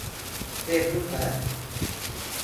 Ve bu da…